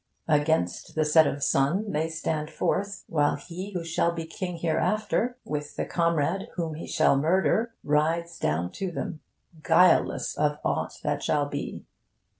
Against 'the set of sun' they stand forth, while he who shall be king hereafter, with the comrade whom he shall murder, rides down to them, guileless of aught that shall be.